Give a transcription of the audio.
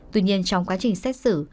tuy nhiên trong quá trình xét xử